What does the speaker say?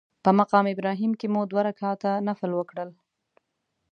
په مقام ابراهیم کې مو دوه رکعته نفل وکړل.